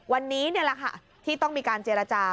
วันนี้นี่แหละค่ะที่ต้องมีการเจรจา